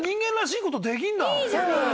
いいじゃない！